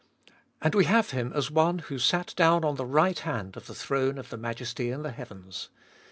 And we have Him as one who sat down on the right hand of the throne of the Majesty in the heavens.